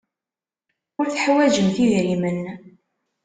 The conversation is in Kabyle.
Ur teḥwajemt idrimen.